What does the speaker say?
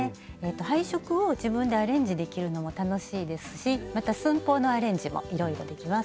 配色を自分でアレンジできるのも楽しいですしまた寸法のアレンジもいろいろできます。